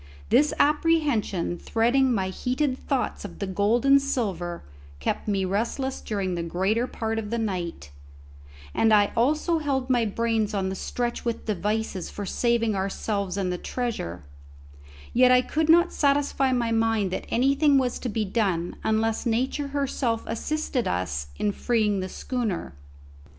This apprehension threading my heated thoughts of the gold and silver kept me restless during the greater part of the night, and I also held my brains on the stretch with devices for saving ourselves and the treasure; yet I could not satisfy my mind that anything was to be done unless Nature herself assisted us in freeing the schooner.